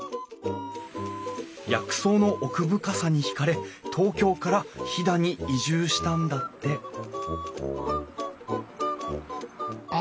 薬草の奥深さに引かれ東京から飛騨に移住したんだってあっ